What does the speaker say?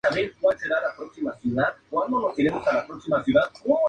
Se localizan algunas terrazas moderadamente erosionadas junto al borde.